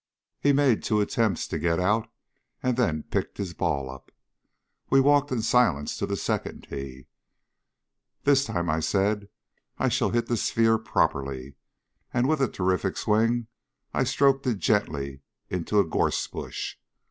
He made two attempts to get out and then picked his ball up. We walked in silence to the second tee. "This time," I said, "I shall hit the sphere properly," and with a terrific swing I stroked it gently into a gorse bush.